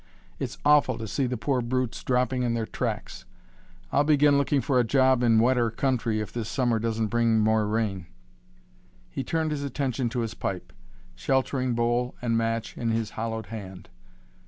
It's awful to see the poor brutes dropping in their tracks. I'll begin looking for a job in a wetter country if this Summer doesn't bring more rain." He turned his attention to his pipe, sheltering bowl and match in his hollowed hand.